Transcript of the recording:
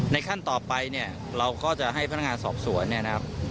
ในขั้นต่อไปเนี่ยเราก็จะให้พนักงานสอบส่วน